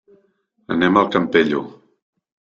Anem al Campello.